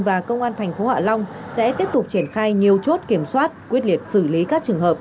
và công an thành phố hạ long sẽ tiếp tục triển khai nhiều chốt kiểm soát quyết liệt xử lý các trường hợp